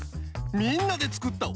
みんなでつくった